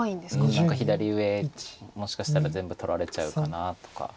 何か左上もしかしたら全部取られちゃうかなとか。